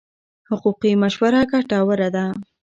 حقوقي مشوره ګټوره ده.